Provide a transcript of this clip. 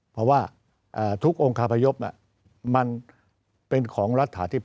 เพราะว่าทุกองคาพยพมันเป็นของรัฐฐาธิบ